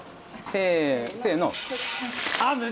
せの。